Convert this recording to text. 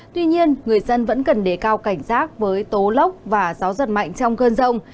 tuy nhiên người dân vẫn cần đề cao cảnh giác với tố lốc và gió giật mạnh trong cơn rông